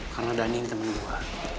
karena dany ini temen gue